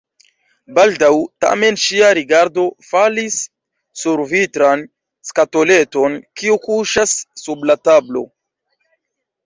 Baldaŭ tamen ŝia rigardo falis sur vitran skatoleton, kiu kuŝas sub la tablo.